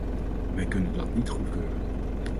Wij kunnen dat niet goedkeuren.